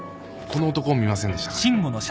この男を見ませんでしたかね？